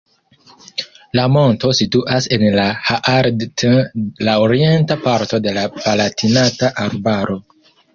La monto situas en la Haardt, la orienta parto de la Palatinata arbaro.